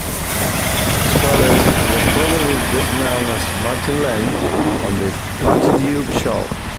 Schallert was probably best known as Martin Lane on "The Patty Duke Show".